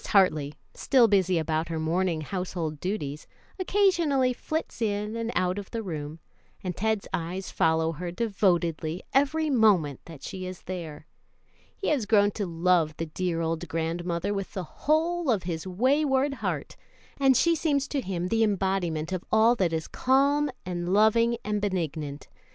Hartley, still busy about her morning household duties, occasionally flits in and out of the room, and Ted's eyes follow her devotedly every moment that she is there. He has grown to love the dear old grandmother with the whole of his wayward heart, and she seems to him the embodiment of all that is calm and loving and benignant.